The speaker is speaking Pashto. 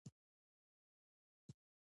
د ده د هر عسکر ظلم او ناروا ده ته راجع کېږي.